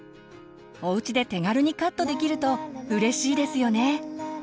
おうちで手軽にカットできるとうれしいですよね。